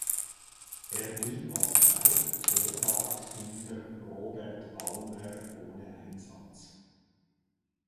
Er blieb als zweiter Torwart hinter Robert Almer ohne Einsatz.